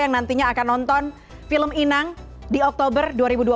yang nantinya akan nonton film inang di oktober dua ribu dua puluh